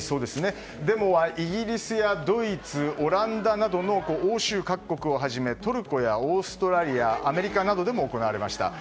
デモはイギリス、ドイツオランダなどの欧州各国をはじめトルコやオーストラリアアメリカなどでも行われました。